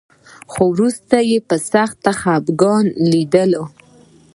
خو وروسته یې په سخت خپګان لیدل